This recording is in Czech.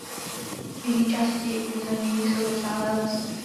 V jižní části území jsou rozsáhlé lesy.